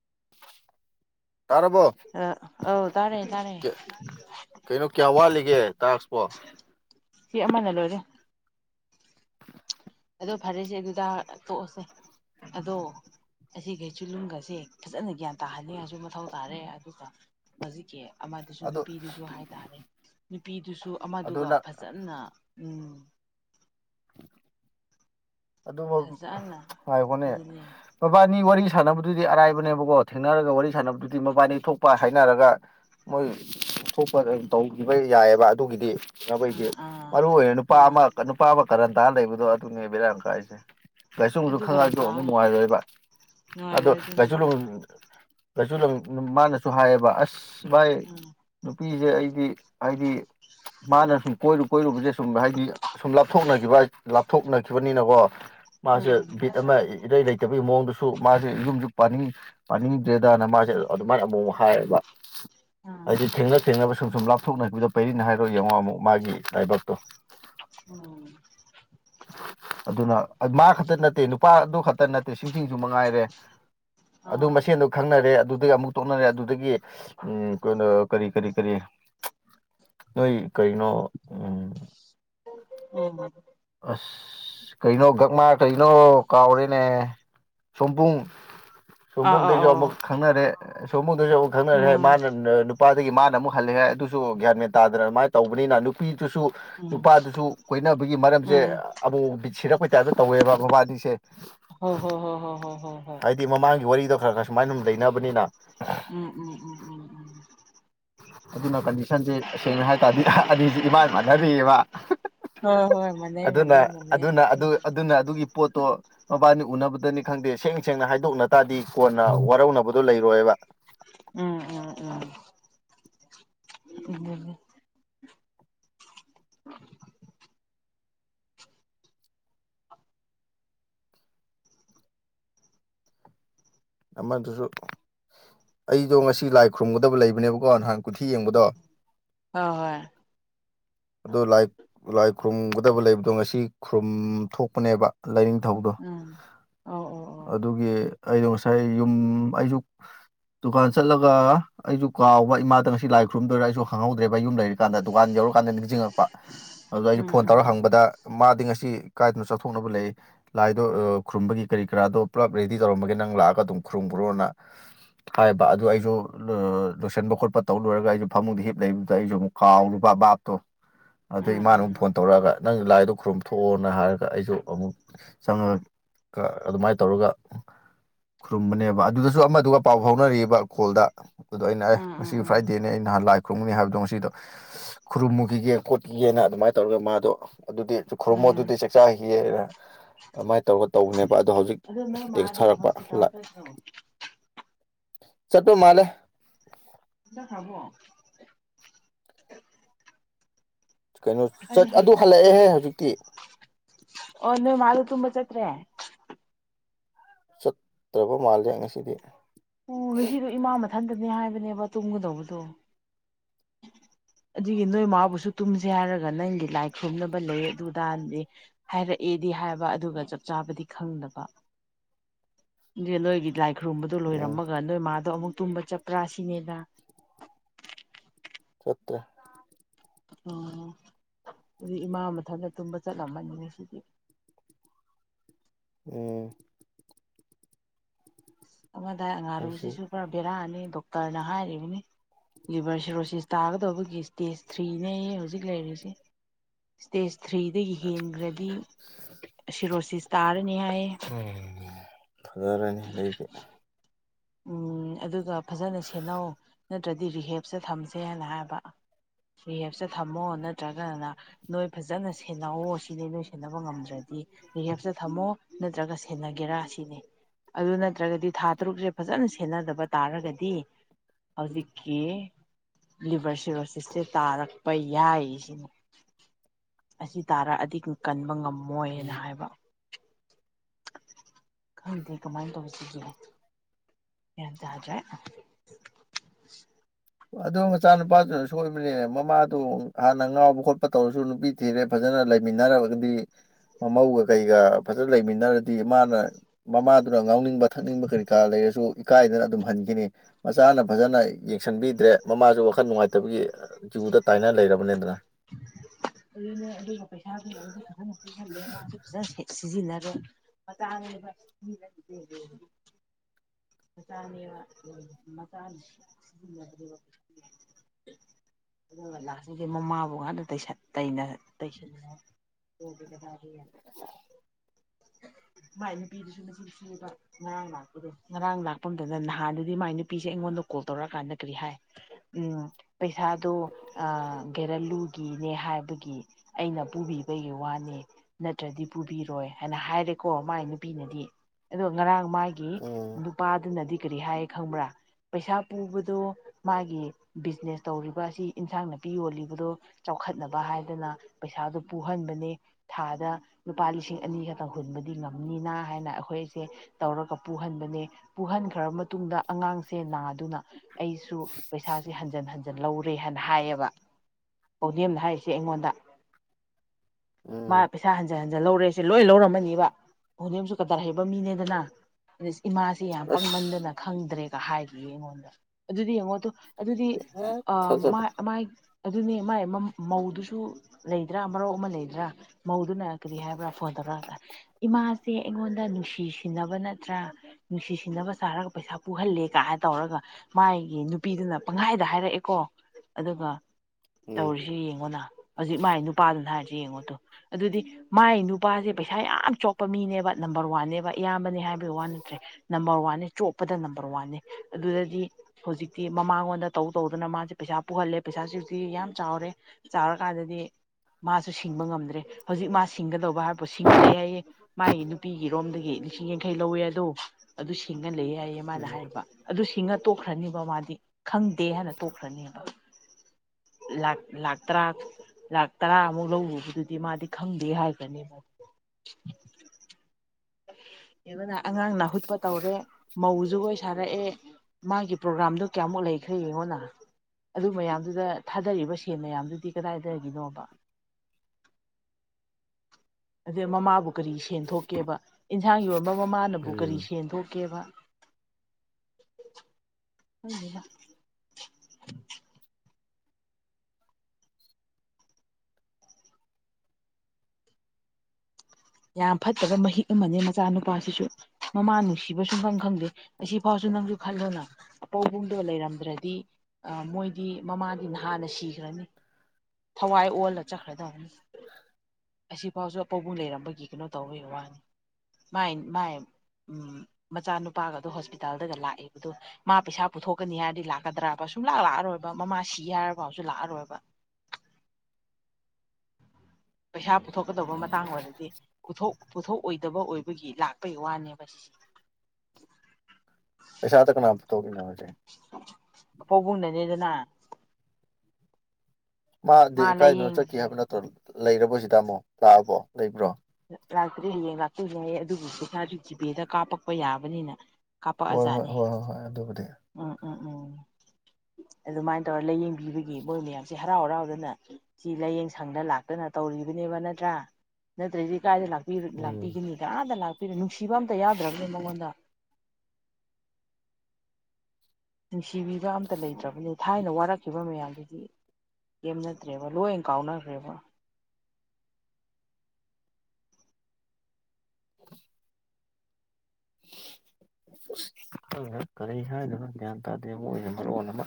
[unintelligible] ꯑ ꯑꯧ ꯇꯥꯔꯦ-ꯇꯥꯔꯦ꯫ ꯑꯦ ꯇꯥꯛꯁꯄꯣ ꯁꯤ ꯑꯃꯅ ꯂꯣꯏꯔꯦ꯫ ꯑꯗꯣ ꯐꯔꯦꯁꯦ ꯑꯗꯨꯗ ꯇꯣꯛꯑꯁꯦ ꯑꯗꯣ ꯑꯁꯤꯈꯩ ꯆꯨ ꯂꯨꯝꯒꯁꯦ ꯐꯖꯅ ꯒ꯭ꯌꯥꯟ ꯇꯥꯍꯟꯅꯤꯉꯥꯏꯁꯨ ꯃꯊꯧ ꯇꯥꯔꯦ ꯑꯗꯨꯒ ꯍꯧꯖꯤꯛꯀꯤ ꯑꯃꯗꯨꯁꯨ ꯑꯗꯨ ꯅꯨꯄꯤꯗꯨꯁꯨ ꯍꯥꯏꯇꯥꯔꯦ ꯅꯨꯄꯤꯗꯨꯁꯨ ꯑꯃꯗꯨꯒ ꯑꯗꯨꯅ ꯐꯖꯅ ꯎꯝ [inaudible] ꯑꯗꯨꯒ ꯆ ꯐꯖꯅ ꯉꯥꯏꯈꫭꯅꯦ ꯑꯗꯨꯅꯦ ꯃꯕꯥꯅꯤ ꯋꯥꯔꯤ ꯁꯥꯟꯅꯕꯗꯨꯗꯤ ꯑꯔꯥꯏꯕꯅꯦꯕꯀꯣ ꯊꯦꯡꯅꯔꯒ ꯋꯥꯔꯤ ꯁꯥꯟꯅꯕꯗꯨꯗꯤ ꯃꯕꯥꯅꯤ ꯊꯣꯛꯄ ꯍꯥꯏꯅꯔꯒ, ꯃꯣꯏ ꯊꯣꯛꯄ ꯇꯧꯈꯤꯕ ꯌꯥꯏꯕ ꯑꯗꯨꯒꯤꯗꯤ꯫ ꯑꯥ [unintelligible] ꯑꯥ ꯃꯔꯨ ꯑꯣꯏ ꯅꯨꯄꯥ ꯑꯥ ꯑꯃ ꯅꯨꯄꯥ ꯑꯃ ꯀꯔꯟ ꯇꯥ ꯂꯩꯕꯗꯣ ꯑꯗꯨꯅꯦ ꯕꯤꯔꯥ ꯀꯥꯏꯁꯦ ꯀꯥꯏꯆꯨꯂꯨꯡꯁꯨ ꯑꯗꯨ ꯈꯪꯉꯛꯑꯗꯤꯀꫭ ꯀꯔꯟꯇꯥ ꯑꯃꯨꯛ ꯅꯨꯡꯉꯥꯏꯔꯣꯏꯕ꯫ ꯑꯗꯣ ꯅꯨꯡꯉꯥꯏꯔꯣꯏ ꯑꯗꯨꯅꯦ ꯀꯥꯏꯆꯨꯂꯨꯡ [unintelligible] ꯃꯥꯅꯁꯨ ꯍꯥꯏꯌꯦꯕ ꯑꯁ꯫ ꯚꯥꯏ ꯎꯝ ꯅꯨꯞ ꯄꯤꯁꯦ ꯑꯩꯗꯤ ꯍꯥꯏꯗꯤ ꯃꯥꯅ ꯁꯨꯝ ꯀꯣꯏꯔꯨ ꯀꯣꯏꯔꯨꯕꯁꯦ ꯁꯨꯝ ꯍꯥꯏꯗꯤ ꯁꯨꯝ ꯂꯥꯞꯊꯣꯛꯅꯒꯤꯕ ꯂꯥꯞꯊꯣꯛꯅꯈꯤꯕ꯫ ꯅꯤ ꯅꯀꯣ ꯎꯝ ꯃꯥꯁꯦ ꯕꯤꯠ ꯑꯃ ꯏꯔꯩ ꯂꯩ ꯇꯥꯕꯩ ꯃꯑꯣꯡꯗꯁꯨ ꯃꯥꯁꯦ ꯌꯨꯝꯁꯨ ꯄꯟꯅꯤꯡ ꯄꯥꯅꯤꯡꯗ꯭ꯔꯦꯗꯅ ꯃꯥꯁꯦ ꯑꯗꯨꯃꯥꯏꯅ ꯑꯃꯨꯛ ꯃꯨꯛ ꯍꯥꯏꯌꯦꯕ꯫ ꯍꯥꯏꯗꯤ ꯊꯦꯡꯅ ꯊꯦꯡꯅꯕꯁ ꯁꯨꯝ-ꯁꯨꯝ ꯂꯥꯞꯊꯣꯛꯅꯕꯤꯗ ꯄꯩꯔꯤꯡꯅ ꯍꯥꯏꯔꯣ ꯌꯦꯡꯉꯣ ꯑꯃꯨꯛ ꯃꯥꯒꯤ ꯂꯥꯏꯕꯛꯇꯣ꯫ ꯎ ꯑꯗꯨꯅ ꯃꯥ ꯈꯛꯇ ꯅꯠꯇꯦ ꯅꯨꯄꯥ ꯑꯗꯨ ꯈꯛꯇ ꯅꯠꯇꯦ ꯁꯤꯡꯁꯤꯡꯁꯨ ꯃꯉꯥꯏꯔꯦ꯫ ꯑꯗꯨ ꯑꯥ ꯃꯁꯦꯟꯗꯣ ꯈꯪꯅꯔꯦ ꯑꯗꯨ ꯑꯗꯨꯏ ꯑꯃꯨꯛ ꯇꯣꯛꯅꯔꯦ ꯑꯗꯨꯗꯒꯤ ꯎꯝ ꯀꯩꯅꯣ ꯀꯔꯤ-ꯀꯔꯤ-ꯀꯔꯤ ꯅꯣꯏ ꯀꯩꯅꯣ ꯎꯝ [unintelligible] ꯑꯁ ꯀꯩꯅꯣ ꯒꯛꯃꯥ ꯀꯩꯅꯣ ꯀꯥꯎꯔꯦꯅꯦ ꯁꯣꯝꯄꯨꯡ ꯑꯥ ꯁꯣꯕꯨꯡꯗꯩꯁꯨ ꯑꯥ ꯑꯃꯨꯛ ꯈꯪꯅꯔꯦ꯫ ꯁꯣꯨꯝꯕꯨꯡꯗꯩꯁꯨ ꯑꯃꯨꯛ ꯈꯪꯅꯔꯦ ꯍꯥꯏ ꯎꯝ ꯃꯥꯅ ꯅꯨꯄꯥꯗꯒꯤ ꯃꯥꯅ ꯑꯃꯨꯛ ꯍꯜꯂꯦ ꯍꯥꯏ ꯑꯗꯨꯁꯨ ꯒ꯭ꯌꯥꯟ ꯃꯌꯥꯦꯟ ꯇꯥꯗꯅ ꯑꯗꯨꯃꯥꯏꯅ ꯇꯧꯕꯅꯤꯅ ꯅꯨꯄꯤꯗꯨꯁꯨ, ꯎꯝ ꯅꯨꯄꯥꯗꯨꯁꯨ, ꯀꯣꯏꯅꯕꯒꯤ ꯃꯔꯝ ꯁꯦ ꯎꯝ ꯑꯃꯨꯛ ꯕꯤꯠ ꯁꯤꯔꯛꯄꯩ ꯇꯥꯏꯞꯇ ꯇꯧꯋꯦꯕ ꯃꯕꯕꯥꯅꯤꯁꯦ꯫ ꯍꫭ-ꯍꯣ-ꯍꯣ ꯍꯥꯏꯗꯤ ꯃꯃꯥꯡꯒꯤ ꯋꯥꯔꯤꯗꯣ ꯈꯔ-ꯈꯔ ꯁꯨꯃꯥꯏꯅ ꯑꯗꯨꯝ ꯂꯩꯅꯕꯅꯤꯅ ꯎꯝ ꯎꯝ ꯎꯝ ꯎꯝ ꯎꯝ ꯑꯗꯨꯅ ꯀꯟꯗꯤꯁꯟꯁꯦ ꯇꯁꯦꯡꯅ ꯍꯥꯏ ꯇꯥꯔꯗꯤ ꯑꯅꯤꯁꯤ ꯏꯃꯥꯟ ꯃꯥꯟꯅꯔꯤꯑꯕ꯫ ꯍꫭꯏ-ꯍꯣꯏ꯫ ꯑꯗꯨꯅ ꯑꯗꯨꯅ ꯑꯗꯨ ꯑꯗꯨꯅ ꯑꯗꯨꯒꯤ ꯄꯣꯠꯇꯣ ꯃꯕꯥꯅꯤ ꯎꯅꯕꯗꯅꯤ ꯈꯪꯗꯦ ꯁꯦꯡ ꯁꯦꯡꯅ ꯍꯥꯏꯗꯣꯛꯅ ꯇꯥꯗꯤ ꯀꯣꯟꯅ ꯋꯥꯔꯧꯅꯕꯗꯣ ꯂꯩꯔꯣꯏꯕ꯫ ꯎꯝ ꯎꯝ ꯎꯝ ꯑꯗꯨꯅꯤ ꯑꯃꯗꯨꯁꯨ ꯑꯩꯗꯣ ꯉꯁꯤ ꯂꯥꯏ ꯈꯨꯔꯨꯝꯒꯗꯕ ꯂꯩꯕꯅꯦꯕꯀꯣ ꯅꯍꯥꯟ ꯀꯊꯤ ꯌꯦꯡꯕꯗꯣ ꯍꯣꯏ ꯍꯣꯏ ꯑꯗꯥꯏ ꯂꯥꯏ ꯈꯨꯔꯨꯝꯒꯗꯕ ꯂꯩꯕꯗꯣ ꯉꯁꯤ ꯈꯨꯔꯨꯝ ꯊꯣꯛꯄꯅꯦꯕ ꯂꯥꯏꯅꯤꯡꯊꯧꯗꯣ ꯎꯝ ꯑꯣ ꯑꯣ ꯑꯣ ꯑꯗꯨꯒꯤ ꯑꯩꯗꯣ ꯉꯁꯥꯏ ꯌꯨꯝ ꯑꯩꯁꯨ ꯗꯨꯀꯥꯟ ꯆꯠꯂꯒ ꯑꯩꯁꯨ ꯀꯥꯎꯕ ꯏꯃꯥꯗ ꯉꯁꯤ ꯂꯥꯏ ꯈꯨꯔꯨꯝꯗꯣꯏꯔꯥ ꯑꯩꯁꯨ ꯍꯪꯍꯧꯗ꯭ꯔꯦꯕ ꯑꯩ ꯌꯨꯝ ꯂꯩꯔꯤꯀꯥꯟꯗ ꯗꯨꯀꯥꯟ ꯌꯧꯔꯀꯥꯟꯗ ꯆꯤꯡꯉꯛꯄ ꯑꯗꯨꯣ ꯑꯩꯁꯨ ꯎꯝ ꯐꯣꯟ ꯎꯝ ꯇꯧꯔꯒ ꯎꯝ ꯍꯪꯕꯗ ꯃꯥꯗꯤ ꯉꯁꯤ ꯀꯥꯏꯗꯅ ꯆꯥꯎꯊꯣꯛꯅꯕ ꯂꯩ ꯂꯥꯏꯗꯣ ꯈꯨꯔꯨꯝꯕꯒꯤ ꯀꯔꯤ ꯀꯔꯥꯗꯣ ꯄꯨꯜꯂꯞ ꯔꯦꯗꯤ ꯇꯧꯔꯝꯃꯒꯦ ꯅꯪ ꯂꯥꯛꯑꯒ ꯑꯗꯨꯝ ꯈꯨꯔꯨꯝꯕ꯭ꯔꯣꯅ ꯍꯥꯏꯕ ꯑꯗꯨ ꯑꯩꯁꯨ ꯂꯣꯏꯁꯤꯟꯕ ꯈꯣꯠꯄ ꯇꯧ ꯂꯣꯏꯔꯒ ꯑꯩꯁꯨ ꯐꯃꯨꯡꯗ ꯍꯤꯞ ꯂꯩꯕꯗꯨꯗ ꯑꯩꯁꯨ ꯑꯃꯨꯛ ꯀꯥꯎꯔꯨꯕ ꯕꯥꯥꯞꯇꯣ ꯑꯗꯩ ꯎꯝ ꯏꯃꯥꯅ ꯑꯃꯨꯛ ꯐꯣꯟ ꯇꯧꯔꯛꯑꯒ ꯅꯪ ꯂꯥꯏꯗꯣ ꯈꯨꯔꯨꯝꯊꯣꯛꯑꯣꯅ ꯍꯥꯏꯔꯒ ꯑꯩꯁꯨ ꯑꯃꯨꯛ ꯆꯪꯉꯒ ꯑꯗꯨꯃꯥꯏꯅ ꯇꯧꯔꯒ ꯈꯨꯔꯨꯝꯕꯅꯦꯕ ꯑꯗꯨꯗꯁꯨ ꯑꯃꯗꯨꯒ ꯄꯥꯎ ꯐꯥꯎꯅꯑꯕ ꯀꯣꯜꯗ ꯑꯗꯨꯗꯣ ꯑꯩꯅ ꯑꯦ ꯎꯝ ꯎꯝ ꯉꯒꯤ ꯎꯝ ꯐ꯭ꯔꯥꯏꯗꯦꯅꯦ ꯑꯩ ꯅꯍꯥꯟ ꯂꯥꯏ ꯈꯨꯔꯨꯝꯒꯅꯤ ꯍꯥꯏꯕꯗꯣ ꯉꯁꯤꯗꯣ ꯈꯨꯔꯨꯝꯃꯨ ꯄꯤꯒꯦ ꯈꯣꯠꯈꯤꯒꯦꯅ ꯑꯗꯨꯃꯥꯏꯅ ꯇꯧꯔꯒ ꯃꯥꯗꯣ ꯑꯗꯨꯗꯤ ꯈꯨꯔꯨꯝꯃꯣ ꯎꯝ ꯑꯗꯨꯗꯤ ꯆꯥꯛ ꯆꯈꯤꯌꯦꯦꯅ ꯑꯗꯨꯃꯥꯏꯅ ꯇꯧꯔꯒ ꯇꯧꯕꯅꯦꯕ ꯑꯗꯣ ꯍꯧꯖꯤꯛ ꯑꯗꯨꯗ ꯇꯦꯛꯁ ꯃꯥꯗ ꯍꯣꯁꯄꯤꯇꯣ ꯆꯠꯠꯇꯣ ꯃꯥꯂ ꯗ ꯈꯕ ꯀꯩꯅꯣ ꯆꯠ ꯑꯗꯨ ꯍꯜꯂꯛꯑꯦꯍꯦ ꯍꯧꯖꯤꯛꯇꯤ ꯑꯣ ꯃꯥꯂ ꯇꯨꯝ ꯆꯠ꯭ꯔꯦ [inaudible] ꯆꯠꯇ꯭ꯔꯕ ꯃꯥꯜꯂꯦ ꯉꯁꯤꯗꯤ ꯎ ꯉꯁꯤꯗꯣ ꯏꯃꯥ ꯃꯊꯟꯇꯅꯤ ꯍꯥꯏꯕ ꯅꯦꯕ ꯇꯨꯝꯒꯗꯧꯕꯗꯣ ꯑꯗꯨꯒꯤ ꯅꯣꯏ ꯃꯥꯕꯨꯁꯨ ꯇꯨꯝꯁꯦ ꯍꯥꯏꯔꯒ ꯅꯪꯒꯤ ꯂꯥꯏ ꯈꯨꯝꯅꯕ ꯂꯩ ꯑꯗꯨ ꯇꯔꯅꯗꯤ ꯍꯥꯏꯔꯛꯑꯦꯗꯤ ꯍꯥꯏꯕ ꯑꯗꯨꯒ ꯆꯞ ꯆꯥꯕꯗꯤ ꯈꯪꯗꯕ ꯑꯗꯨ ꯅꯣꯏꯒꯤ ꯂꯥꯏ ꯈꯨꯔꯨꯝꯕꯗꯨ ꯎꯝ ꯂꯣꯏꯔꯝꯃꯒ ꯅꯣꯏ ꯃꯥꯗꯣ ꯑꯃꯨꯛ ꯇꯨꯝꯕ ꯆꯠꯄ꯭ꯔꯥ ꯁꯤꯅꯦꯗ ꯁꯠꯇ ꯎ ꯑꯗꯨꯗꯤ ꯏꯃꯥ ꯃꯊꯟꯇ ꯇꯨꯝꯕ ꯆꯠꯂꯝꯃꯅꯤꯅꯦ ꯁꯤꯗꯤ ꯎꯝ ꯑꯃꯗ ꯍꯧꯖꯤꯛ ꯉꯥꯔꯨꯁꯤꯁꯨ ꯄꯨꯔ ꯕꯦꯔꯛꯑꯅꯤ ꯗꯣꯛꯇꯔꯅ ꯍꯥꯏꯔꯤꯕꯅꯤ ꯂꯤꯚꯔ ꯁꯦꯔꯣꯁꯤꯁ ꯇꯥꯒꯗꯧꯕꯒꯤ ꯏꯁꯇꯦꯖ ꯊ꯭ꯔꯤꯅꯦꯌꯦ ꯍꯧꯖꯤꯛ ꯂꯩꯔꯤꯁꯦ ꯏꯁꯇꯦꯖ ꯊ꯭ꯔꯤꯗꯒꯤ ꯍꯦꯟꯈ꯭ꯔꯗꯤ ꯁꯤꯔꯣꯁꯤꯁ ꯇꯥꯔꯅꯤ ꯍꯥꯏ ꯐꯖꯔꯅꯤ ꯑꯗꯩꯗꯤ ꯎꯝ ꯑꯗꯨꯒ ꯐꯖꯅ ꯁꯦꯟꯅꯧ ꯅꯠꯇ꯭ꯔꯗꯤ ꯔꯤꯍꯦꯞꯇ ꯊꯝꯁꯦ ꯍꯥꯏꯅ ꯍꯥꯏꯕ ꯔꯤꯍꯦꯞꯁ ꯊꯝꯃꯣ ꯅꯠꯇ꯭ꯔꯒꯅ ꯅꯣꯏ ꯐꯖꯅ ꯁꯦꯟꯅꯧꯑꯣ ꯁꯤꯅꯤ ꯅꯣꯏ ꯁꯦꯟꯅꯕ ꯉꯝꯗ꯭ꯔꯗꯤ ꯔꯤꯍꯦꯞꯇ ꯊꯝꯃꯣ ꯅꯠꯇ꯭ꯔꯒ ꯁꯦꯟꯅꯒꯦꯔꯥ ꯁꯤꯅꯤ ꯑꯗꯨ ꯅꯠꯇ꯭ꯔꯒꯗꯤ ꯊꯥ ꯇꯔꯨꯛꯁꯦ ꯐꯖꯅ ꯁꯦꯟꯅꯗꯕ ꯇꯥꯔꯒꯗꯤ ꯍꯧꯖꯤꯛꯀꯤ ꯂꯤꯚꯔ ꯁꯦꯔꯣꯁꯤꯁꯁꯦ ꯇꯥꯔꯛꯄ ꯌꯥꯏꯁꯤꯅꯤ ꯑꯁꯤ ꯇꯥꯔꯑꯗꯤ ꯀꯟꯕ ꯉꯝꯝꯕ ꯃꯣꯏꯑꯅ ꯍꯥꯏꯕ ꯈꯪꯗ ꯀꯃꯥꯏꯅ ꯇꯧꯋꯁꯤꯒꯤ ꯀꯗ ꯍꯥꯏꯖ ꯑꯗꯨꯣ ꯃꯆꯥꯅꯨꯄꯥꯗꯨꯅ ꯁꯣꯏꯕꯅꯦ ꯃꯃꯥꯗꯨ ꯍꯥꯟꯅ ꯉꯥꯎꯕ ꯈꯣꯠꯄ ꯇꯧꯔꯁꯨ ꯅꯨꯄꯤ ꯊꯤꯔꯦ ꯐꯖꯅ ꯂꯩꯃꯤꯟꯅꯔꯒꯗꯤ ꯃꯃꯧꯒ ꯀꯩꯒ ꯐꯖꯅ ꯂꯩꯃꯤꯟꯅꯔꯗꯤ ꯃꯥꯅ ꯃꯃꯥꯗꯨꯅ ꯉꯥꯎꯅꯤꯡꯕ ꯊꯛꯅꯤꯡꯕ ꯀꯔꯤ ꯀꯥ ꯂꯩꯔꯁꯨ ꯏꯀꯥꯏꯗꯅ ꯑꯗꯨꯝ ꯍꯟꯈꯤꯅꯤ ꯃꯆꯥꯅ ꯐꯖꯅ ꯁꯟꯕꯤꯗ꯭ꯔꯦ ꯃꯃꯥꯁꯨ ꯋꯥꯈꯜ ꯅꯨꯡꯉꯥꯏꯇꯕꯒꯤ ꯖꯨꯗ ꯇꯥꯏꯅ ꯂꯩꯔꯕꯅꯤꯗꯅ ꯑꯗꯨ ꯑꯗꯨꯒ ꯄꯩꯁꯥꯗꯨꯖꯂꯦ ꯐꯖꯁꯦ ꯁꯤꯖꯤꯟꯅꯔꯣꯏ ꯂꯥꯛꯁꯦ ꯃꯃꯥꯕꯒꯗ ꯇꯩꯁꯠ ꯇꯩꯅ [unintelligible] ꯉꯥꯡ ꯉꯔꯥꯡ ꯂꯥꯛꯄꯝꯇꯅ ꯅꯍꯥꯟꯗꯨꯗꯤ ꯃꯥꯏ ꯅꯨꯄꯤꯁꯦ ꯑꯩꯉꯣꯟꯗ ꯀꯣꯜ ꯇꯧꯔꯛꯑꯀꯥꯟꯗ ꯀꯔꯤ ꯍꯥꯏ ꯎꯝ ꯄꯩꯁꯥꯗꯣ ꯑ ꯒꯦꯔꯜꯂꯨ ꯀꯤꯅꯦ ꯍꯥꯏꯕ ꯒꯤ ꯑꯩꯅ ꯄꯨꯕꯤꯕꯒꯤ ꯋꯥꯅꯤ ꯅꯠꯇ꯭ꯔꯗꯤ ꯄꯨꯕꯤꯔꯣꯏ ꯍꯥꯏꯅ ꯍꯥꯏꯔꯦꯀꯣ ꯃꯥꯏ ꯅꯨꯄꯤꯅꯗꯤ ꯑꯗꯣ ꯉꯔꯥꯡ ꯃꯥꯒꯤ ꯎꯝ ꯅꯨꯄꯥꯗꯨꯅꯗꯤ ꯀꯔꯤ ꯍꯥꯏ ꯈꯪꯕ꯭ꯔꯥ ꯄꯩꯁꯥ ꯄꯨꯕꯗꯣ ꯃꯥꯒꯤ ꯕꯤꯖꯤꯅꯦꯁ ꯇꯧꯔꯤꯕ ꯑꯁꯤ ꯏꯟꯁꯥꯡ ꯅꯥꯄꯤ ꯌꯣꯜꯂꯤꯕꯗꯣ ꯆꯥꯎꯈꯠꯅꯕ ꯍꯥꯏꯕ ꯍꯥꯏꯅ ꯄꯩꯁꯥꯗꯨꯣ ꯄꯨꯍꯟꯕꯅꯦ ꯊꯥꯗ ꯂꯨꯄꯥ ꯂꯤꯁꯤꯡ ꯑꯅꯤ ꯈꯛꯇꯪ ꯍꯨꯟꯕꯗꯤ ꯉꯝꯅꯤꯅ ꯍꯥꯏꯅ ꯑꯩꯈꯣꯏꯁꯦ ꯇꯧꯔꯒ ꯄꯨꯍꯟꯕꯅꯦ ꯄꯨꯍꯟꯈ꯭ꯔꯕ ꯃꯇꯨꯡꯗ ꯑꯉꯥꯡꯁꯦ ꯅꯥꯗꯨꯅ ꯑꯩꯁꯨ ꯄꯩꯁꯥꯁꯤ ꯍꯟ ꯍꯟ ꯂꯧꯔꯦ ꯍꯥꯏꯅ ꯍꯥꯏꯌꯦꯕ ꯄꯧꯅꯦꯝꯅ ꯍꯥꯏꯔꯤꯁꯦ ꯆꯦ ꯑꯩꯉꯣꯟꯗ ꯎꯝ ꯃꯥ ꯄꯩꯁꯥ ꯍꯟꯖꯟꯦ ꯁꯤꯗ ꯂꯧꯔꯦꯁꯦ ꯂꯣꯏ ꯂꯧꯔꯝꯃꯅꯤꯕ ꯍꯅꯁꯨ ꯀꯇꯔ ꯍꯩꯕ ꯃꯤꯅꯦꯗꯅ ꯏꯃꯥꯥꯁ ꯌꯥꯝ ꯑꯁ ꯄꯪꯃꯟꯗꯅ ꯈꯪꯗ꯭ꯔꯦ ꯍꯥꯏꯈꯤꯦ ꯑꯩꯉꯣꯟꯗ ꯑꯗꯨꯗꯤ ꯌꯦꯡꯉꯣꯗꯣ ꯑꯗꯨꯗꯤ ꯍꯦꯛ ꯑ ꯊꯥꯖꯕ ꯃꯥꯥꯏ ꯑꯗꯨꯅꯦ ꯃꯥꯏ ꯑꯃ ꯃꯧ ꯑꯗꯨꯁꯨ ꯂꯩꯗ꯭ꯔꯥ ꯃꯔꯧ ꯑꯃ ꯂꯩꯗ꯭ꯔꯥ ꯃꯧꯗꯨꯅ ꯀꯔꯤ ꯍꯥꯏꯕ꯭ꯔꯥ ꯐꯣꯟ ꯇꯧꯔꯛꯑꯒ ꯏꯃꯥꯁꯦ ꯑꯩꯉꯣꯟꯗ ꯅꯨꯡꯁꯤ ꯁꯤꯟꯅꯕ ꯅꯠꯇ꯭ꯔꯥ ꯅꯨꯡꯁꯤ ꯁꯤꯟꯅꯕ ꯆꯥꯔꯒ ꯄꯩꯁꯥ ꯄꯨꯍꯜꯂꯦ ꯀꯥꯏꯅ ꯇꯧꯔꯒ ꯃꯥꯥꯏꯒꯤ ꯅꯨꯄꯤꯗꯨꯅ ꯄꯪꯈꯥꯏꯗ ꯍꯥꯏꯔꯛꯑꯦꯀꯣ ꯑꯗꯨꯒ ꯎꯝ ꯇꯧꯔꯤꯁꯤ ꯌꯦꯡꯉꯣꯅ ꯍꯧꯖꯤꯛ ꯃꯥꯏ ꯅꯨꯄꯥꯗꯨꯅ ꯍꯥꯏꯔꯤꯁꯤ ꯌꯦꯡꯉꯣꯗꯣ ꯑꯗꯨꯗꯤ ꯃꯥꯏ ꯅꯨꯄꯥꯁꯦ ꯄꯩꯁꯥ ꯌꯥꯝ ꯆꯣꯞꯄ ꯃꯤꯅꯦꯕ ꯅꯝꯕꯔ ꯋꯥꯟꯅꯦꯕ ꯑꯌꯥꯝꯕꯅꯦ ꯍꯥꯏꯕꯒꯤ ꯋꯥ ꯅꯠꯇ꯭ꯔꯦ ꯅꯝꯕꯔ ꯋꯥꯟꯅꯦ ꯆꯣꯞꯄꯗ ꯅꯝꯕꯔ ꯋꯥꯟꯅꯦ ꯑꯗꯨꯗꯗꯤ ꯍꯧꯖꯤꯛꯇꯤ ꯃꯃꯥꯡꯉꯣꯟꯗ ꯇꯧ ꯇꯧꯗꯅ ꯃꯥꯁꯦ ꯄꯩꯁꯥ ꯄꯨꯍꯜꯂꯦ ꯄꯩꯁꯥꯁꯤ ꯍꯧꯖꯤꯛ ꯌꯥꯝ ꯆꯥꯎꯔꯦ ꯆꯥꯎꯔꯀꯥꯟꯗꯗꯤ ꯃꯥꯁꯨ ꯁꯤꯡꯕ ꯉꯝꯗ꯭ꯔꯦ ꯍꯧꯖꯤꯛ ꯃꯥ ꯁꯤꯡꯒꯗꯧꯕ ꯍꯥꯏꯕꯄꯣ ꯁꯤꯡꯒꯠꯂꯛꯑꯦ ꯍꯥꯏꯌꯦ ꯃꯥꯒꯤ ꯅꯨꯄꯤꯒꯤꯔꯣꯝꯗꯒꯤ ꯂꯤꯁꯤꯡ ꯌꯥꯡꯈꯩ ꯂꯧꯋꯦ ꯑꯗꯣ ꯑꯗꯨ ꯁꯤꯡ ꯂꯩ ꯌꯥꯏꯌꯦ ꯃꯥꯅ ꯎꯝ ꯍꯥꯏꯕ ꯑꯗꯨ ꯇꯣꯛꯈ꯭ꯔꯅꯤꯕ ꯃꯥꯗꯤ ꯈꯪꯗꯦ ꯍꯥꯏꯅ ꯇꯣꯛꯈ꯭ꯔꯅꯦꯕ ꯇꯔꯥ ꯂꯥꯛ ꯇꯔꯥꯃꯨꯛ ꯂꯧꯕꯕ ꯃꯥꯗꯤ ꯈꯪꯗꯦ ꯍꯥꯏꯒꯅꯦꯕ ꯑꯦꯕꯗ ꯑꯉꯥꯡꯅꯅꯥꯍꯨꯠꯄ ꯇꯧꯔꯦ ꯃꯧ ꯖꯒꯣꯏ ꯁꯥꯔꯛꯑꯦ ꯃꯥꯒꯤ ꯄ꯭ꯔꯣꯒꯥ꯭ꯔꯥꯝꯗꯣ ꯀꯌꯥꯃꯨꯛ ꯂꯩꯈ꯭ꯔꯦ ꯌꯦꯡꯉꯣꯅ ꯑꯗꯨ ꯃꯌꯥꯝꯗꯨꯗ ꯊꯥꯗꯔꯤꯕ ꯁꯦꯟ ꯃꯌꯥꯝꯗꯨ ꯀꯗꯥꯏꯗꯗꯒꯤꯅꯣꯕ ꯑꯗꯨꯃ ꯃꯥꯕꯨ ꯀꯔꯤ ꯁꯦꯟꯊꯣꯛꯀꯦꯕ ꯏꯟꯁꯥꯡꯒꯤ ꯑꯣꯏꯕ ꯃꯃꯥꯅꯕꯨ ꯀꯔꯤ ꯎꯝ ꯁꯦꯟꯊꯣꯛꯀꯦꯕ [unintelligible] ꯍꯕꯤꯣ ꯌꯥꯝ ꯐꯠꯇꯕ ꯃꯍꯤꯛ ꯑꯃꯅꯦ ꯃꯆꯥꯅꯨꯄꯥꯁꯤꯁꯨ ꯃꯃꯥ ꯅꯨꯡꯁꯤꯕ ꯁꯨꯡ ꯈꯪ ꯈꯪꯗꯦ ꯑꯁꯤꯐꯥꯎꯁꯨ ꯅꯪꯁꯨ ꯈꯜꯂꯣꯅ ꯑ ꯄꯕꯨꯡꯗꯣ ꯂꯩꯔꯝꯗ꯭ꯔꯗꯤ ꯃꯣꯏꯗꯤ ꯃꯃꯥꯗꯤ ꯅꯍꯥꯟꯅ ꯁꯤꯈ꯭ꯔꯅꯤ ꯊꯋꯥꯏ ꯑꯣꯜꯂ ꯆꯠꯈ꯭ꯔꯗꯕꯅꯤ ꯑꯁꯤꯐꯥꯎꯁꯨ ꯑ ꯄꯧꯕꯨꯡ ꯂꯩꯔꯝꯕꯒꯤ ꯀꯩꯅꯣ ꯇꯧꯔꯏ ꯋꯥꯅꯤ ꯃꯥꯏ ꯃꯥꯏ ꯃꯆꯥꯅꯨꯄꯥꯒꯗꯣ ꯍꯣꯁꯄꯤꯇꯥꯜꯗꯒ ꯂꯥꯛꯏꯕꯗꯣ ꯃꯥ ꯄꯩꯁꯥ ꯄꯨꯊꯣꯛꯀꯅꯤ ꯍꯥꯏꯔꯗꯤ ꯂꯥꯛꯀꯗ꯭ꯔꯥꯕ ꯁꯨꯡꯂꯥꯛ ꯂꯥꯛꯑꯔꯣꯏꯕ ꯃꯃꯥ ꯁꯤ ꯍꯥꯏꯔꯐꯥꯎꯁꯨ ꯂꯥꯛꯑꯔꯣꯏꯕ ꯥꯄꯩꯁꯥ꯫ ꯄꯨꯊꯣꯛꯀꯗꯧꯕ ꯃꯇꯥꯡ ꯑꯣꯏꯔꯗꯤ ꯄꯨꯊꯣꯛ ꯄꯨꯊꯣꯛ ꯫ ꯑꯣꯏꯗꯕ ꯑꯣꯏꯕꯒꯤ ꯂꯥꯛꯄꯩ ꯋꯥꯅꯦꯕ ꯁꯤꯁꯦ꯫ ꯄꯩꯁꯥꯗ ꯀꯅꯥ ꯄꯨꯊꯣꯛꯏꯅꯣ ꯍꯧꯖꯤꯛ ꯄꯕꯨꯨꯡ ꯅꯅꯦ꯫ ꯌꯦꯗꯅ꯫ ꯃꯥ ꯀꯥꯏ ꯅꯨ ꯆꯠꯀꯤ ꯂꯥꯏꯌꯦꯡꯉꯤꯁꯦ ꯍꯥꯏꯕ ꯅꯠꯇꯔꯣ ꯂꯩꯔꯕꯣꯁꯤꯗ ꯑꯃꯨꯛ ꯂꯛꯕꯣ ꯂꯩꯕ꯭ꯔꯣ ꯌꯥꯏꯌꯦ ꯑꯗꯨꯕꯨ ꯄꯩꯁꯥꯁꯨ ꯖꯤꯄꯦꯗ ꯀꯥꯞꯄꯛꯄ ꯌꯥꯕꯅꯤꯅ ꯍꯣꯏ ꯍꯣꯏ ꯀꯥꯞꯄꯛꯑꯖꯥꯠꯅꯤ ꯍꯣꯏ ꯍꯣꯏ ꯍꯣꯏ ꯑꯗꯨꯕꯨꯗꯤ ꯎꯝ ꯎꯝ ꯎꯝ ꯑꯗꯨꯃꯥꯏꯅ ꯇꯧꯔ ꯂꯥꯏꯌꯦꯡ ꯑꯗꯨꯒꯤ ꯃꯣꯏ ꯃꯌꯥꯝꯁꯦ ꯍꯔꯥꯎ ꯍꯔꯥꯎꯗꯅ ꯁꯤ ꯂꯥꯏꯌꯦꯡ ꯁꯪꯗ ꯂꯥꯛꯇꯅ ꯇꯧꯔꯤꯕꯅꯦꯕ ꯅꯠꯇ꯭ꯔꯥ ꯅꯠꯇ꯭ꯔꯗꯤ ꯀꯥꯏꯗ꯫ ꯎꯝ ꯂꯥꯛꯄꯤꯒꯅꯤꯗ ꯑꯥꯗ ꯂꯥꯛ ꯣ [inaudible] ꯅꯨꯡꯁꯤꯕ ꯑꯝꯇ ꯌꯥꯗ꯭ꯔꯕꯅꯦ ꯃꯉꯣꯟꯗ꯫ ꯅꯨꯡꯁꯤꯕꯤꯕ ꯑꯝꯇ ꯂꯩꯇ꯭ꯔꯕꯅꯤ ꯊꯥꯏꯅ ꯋꯥꯔꯛꯈꯤꯕ ꯃꯌꯥꯝ꯫ ꯍꯥꯏꯗꯤ ꯀꯦꯝꯅꯗ꯭ꯔꯦꯕ ꯂꯣꯏꯅ ꯀꯥꯎꯅꯈ꯭ꯔꯦꯕ꯫ [inaudible] ꯑꯁ ꯈꯪꯗꯔꯦ ꯀꯔꯤ ꯍꯥꯏꯗꯅꯣ ꯒ꯭ꯌꯥꯟ ꯇꯥꯗꯦ ꯃꯣꯏꯅ ꯃꯔꯣꯟ ꯑꯃ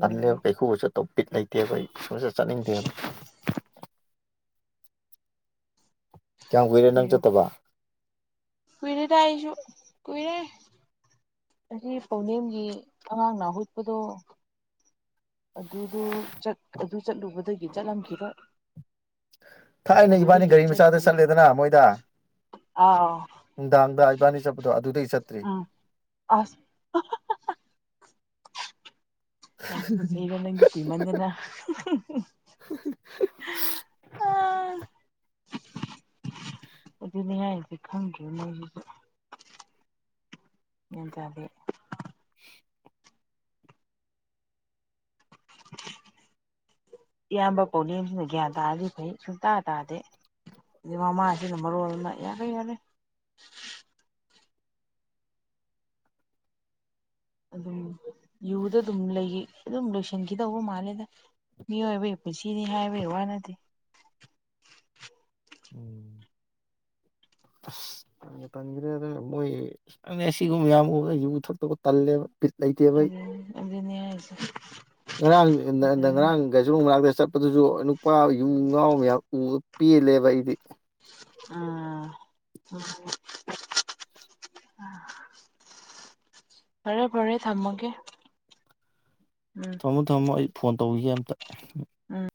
ꯇꯜꯂꯦꯕ ꯂꯩꯊꯣꯛꯆꯠ꯫ ꯇꯣꯞꯄꯤꯛ ꯂꯩꯇꯦꯕ ꯑꯩ꯫ ꯁꯨꯡꯆꯠ ꯆꯠꯅꯤꯡꯗꯦꯕ꯫ ꯀꯌꯥꯝ ꯀꯨꯏꯔꯦ ꯅꯪ ꯆꯠꯇꯕ꯫ ꯀꯨꯏꯔꯦꯗꯥꯏ ꯑꯩꯁꯨ ꯀꯨꯏꯔꯦ ꯑꯁꯤ ꯄꯥꯎꯅꯝꯒꯤ ꯑꯉꯥꯡꯅꯍꯨꯠꯄꯗꯣ꯫ ꯑꯗꯨꯗꯣ ꯑꯗꯨ ꯆꯠꯂꯨꯕꯗꯒꯤ ꯆꯠꯂꯝꯈꯤꯔꯣꯏ꯫ ꯊꯥꯏꯅ ꯏꯕꯥꯅꯤ ꯑꯗꯨꯗꯒꯤ ꯒꯥꯔꯤ ꯃꯆꯥꯗ ꯆꯠꯇ꯭ꯔꯤ ꯆꯠꯂꯦꯗꯅ ꯃꯣꯏꯗ ꯑꯥꯎ ꯅꯨꯡꯗꯥꯡꯗ ꯏꯕꯥꯅꯤ ꯆꯠꯄꯗꯣ ꯑꯗꯨꯗꯩ ꯆꯠꯇ꯭ꯔꯤ꯫ ꯎꯝ ꯑꯁ ꯅꯪꯒꯤ ꯀꯧꯃꯟꯗꯅ ꯑꯥ ꯑꯗꯨꯅꯦ ꯍꯥꯏ ꯈꯪꯗ꯭꯭ꯔꯦ ꯃꯣꯏꯁꯤꯁꯨ ꯒ꯭ꯌꯥꯟ ꯇꯥꯔꯗꯦ꯫ [unintelligible] ꯏꯌꯥꯝꯕ ꯕꯣꯅꯦꯁꯤꯅ ꯒ꯭ꯌꯥꯟ ꯇꯥꯔꯗꯤ ꯐꯩ ꯁꯨꯡꯇꯥ ꯇꯥꯗꯦ ꯑꯗꯩ ꯃꯃꯥꯁꯤꯅ ꯃꯔꯣꯜ ꯑꯃ ꯌꯥꯔꯦ ꯌꯥꯔꯦ ꯑꯗꯨꯝ ꯌꯨꯗ ꯑꯗꯨꯝ ꯂꯩ ꯑꯗꯨꯝ ꯂꯣꯏꯁꯤꯟꯈꯤꯗꯧꯕ ꯃꯥꯜꯂꯦꯗ ꯃꯤꯑꯣꯏꯕꯒꯤ ꯄꯨꯟꯁꯤꯅꯤ ꯍꯥꯏꯕꯒꯤ ꯋꯥꯅꯠꯇꯦ꯫ ꯑꯁ ꯇꯟꯕ ꯇꯟꯈꯔꯦꯗ ꯃꯣꯏ ꯁꯤꯒꯨꯝꯕ ꯃꯌꯥꯝ ꯎꯕꯗ ꯌꯨ ꯊꯛꯇꯧꯒ ꯇꯜꯂꯦꯕ ꯕꯥꯇ꯫ ꯑꯗꯨ ꯑꯗꯨ ꯅꯁꯦ ꯉꯔꯥꯡ ꯉꯔꯥꯡ ꯀꯩꯁ ꯃꯅꯥꯥꯡꯛꯇ ꯆꯠꯄꯗꯨꯁꯨ ꯅꯨꯄꯥ ꯉꯥꯎ ꯃꯌꯥꯝ ꯎ ꯄꯦꯜꯂꯦꯕ ꯑꯩꯗꯤ ꯎꯝ ꯐꯔꯦ ꯐꯔꯦ ꯊꯝꯃꯒꯦ ꯎꯝ ꯊꯝꯃꯣ ꯊꯝꯃꯣ ꯑꯩ ꯐꯣꯟ ꯇꯧꯈꯤꯒꯦꯅ ꯑ ꯎꯝ